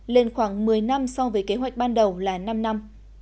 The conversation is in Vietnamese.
lên khoảng một mươi năm so với kế hoạch ban đầu là năm năm